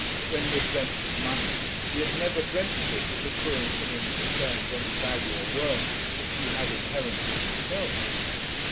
When he had dreamt of money, he had never dreamt of it as accruing to him in return for any value or worth which he had inherent in himself.